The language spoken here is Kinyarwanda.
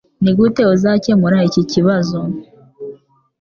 Nigute uzakemura iki kibazo?